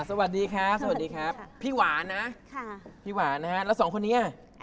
สวัสดีครับสวัสดีครับพี่หวานนะค่ะพี่หวานนะฮะแล้วสองคนนี้อ่ะ